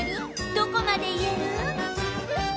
どこまで言える？